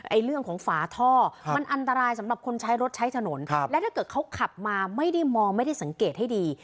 เรื่องของฝาท่อมันอันตรายสำหรับคนใช้รถใช้ถนนและถ้าเกิดเขาขับมาไม่ได้มองไม่ได้สังเกตให้ดี